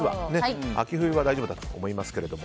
秋冬は大丈夫だと思いますが。